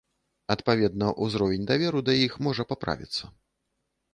Адпаведна, узровень даверу да іх можа паправіцца.